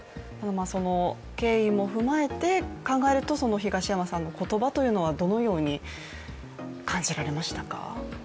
経緯も踏まえて考えると、東山さんの言葉というのはどのように感じられましたか？